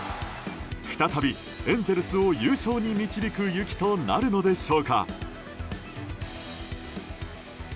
再びエンゼルスを優勝に導く雪となるのでしょうか。